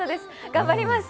頑張ります。